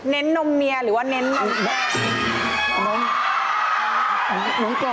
เณ่นนมเมียหรือว่าเณ่นนมนะ